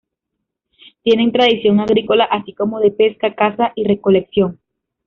Tienen tradición agrícola así como de pesca, caza y recolección.